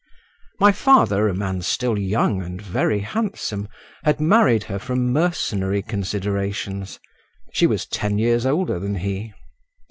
My father, a man still young and very handsome, had married her from mercenary considerations; she was ten years older than he.